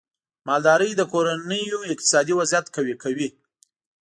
مالدارۍ د کورنیو اقتصادي وضعیت قوي کوي.